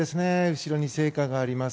後ろに聖火があります。